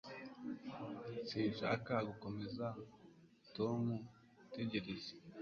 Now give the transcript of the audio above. Sinshaka gukomeza Tom gutegereza